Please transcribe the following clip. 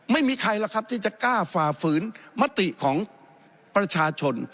ไม่มีใครหรอกครับที่จะกล้าฝ่าฝืนมติของประชาชน